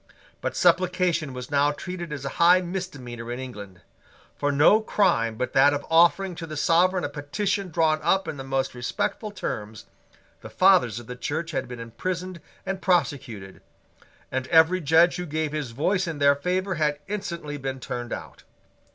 But supplication was now treated as a high misdemeanour in England. For no crime but that of offering to the Sovereign a petition drawn up in the most respectful terms, the fathers of the Church had been imprisoned and prosecuted; and every Judge who gave his voice in their favour had instantly been turned out.